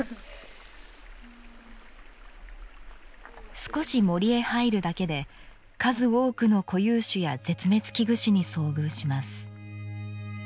少し森へ入るだけで、数多くの固有種や絶滅危惧種に遭遇します。